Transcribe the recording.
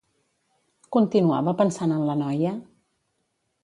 Continuava pensant en la noia?